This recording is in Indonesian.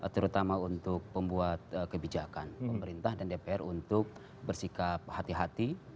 terutama untuk pembuat kebijakan pemerintah dan dpr untuk bersikap hati hati